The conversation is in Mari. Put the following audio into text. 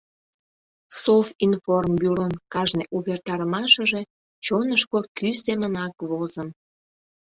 Совинформбюрон кажне увертарымашыже чонышко кӱ семынак возын.